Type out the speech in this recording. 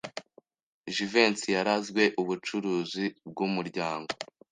Jivency yarazwe ubucuruzi bwumuryango.